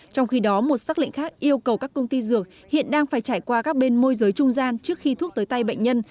trong khi đó một xác lệnh khác yêu cầu các công ty dược hiện đang phải trải qua các bên môi giới trung gian trước khi thuốc tới tay bệnh nhân